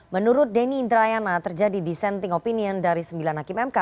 menurut denny indrayana terjadi dissenting opinion dari sembilan hakim mk